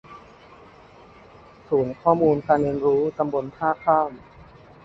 ศูนย์ข้อมูลการเรียนรู้ตำบลท่าข้าม